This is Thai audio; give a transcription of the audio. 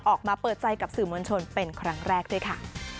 ออกมาเปิดใจกับสื่อมวลชนเป็นครั้งแรกด้วยค่ะ